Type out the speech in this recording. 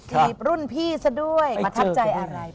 คลิปรุ่นพี่ซะด้วยมาทักใจอะไร